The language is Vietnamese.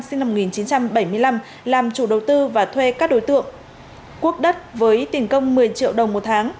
sinh năm một nghìn chín trăm bảy mươi năm làm chủ đầu tư và thuê các đối tượng quốc đất với tiền công một mươi triệu đồng một tháng